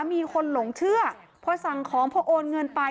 มีคนหลงเชื่อพอสั่งของพอโอนเงินไป